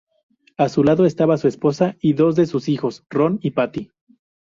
A su lado estaba su esposa y dos de sus hijos, Ron y Patti.